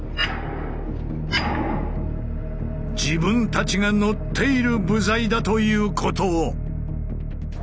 自分たちが乗っている部材だということを。